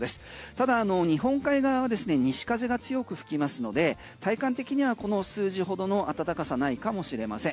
ただ日本海側西風が強く吹きますので体感的にはこの数字ほどの暖かさないかもしれません。